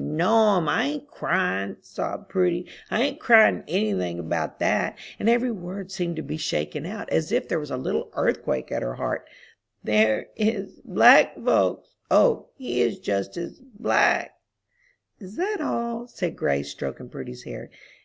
"No'm, I ain't cryin'," sobbed Prudy. "I ain't crying any thing about that;" and every word seemed to be shaken out, as if there was a little earthquake at her heart "there is black folks! O, he is just as black!" "Is that all," said Grace, stroking Prudy's hair.